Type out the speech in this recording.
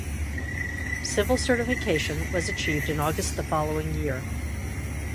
Civil certification was achieved in August the following year.